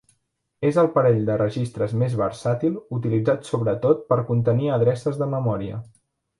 És el parell de registres més versàtil, utilitzat sobretot per contenir adreces de memòria.